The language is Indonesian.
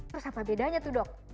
terus apa bedanya tuh dok